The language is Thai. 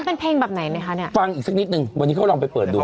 เป็นเพลงแบบไหนไหมคะเนี่ยฟังอีกสักนิดนึงวันนี้เขาลองไปเปิดดู